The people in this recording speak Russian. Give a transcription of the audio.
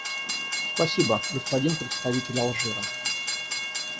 Спасибо, господин представитель Алжира.